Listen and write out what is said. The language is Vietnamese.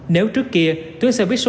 nếu trước kia tuyến xe buýt số một